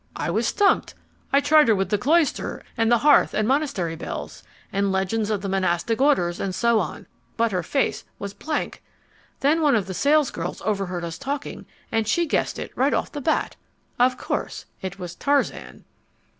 I was stumped. I tried her with The Cloister and the Hearth and Monastery Bells and Legends of the Monastic Orders and so on, but her face was blank. Then one of the salesgirls overheard us talking, and she guessed it right off the bat. Of course it was Tarzan.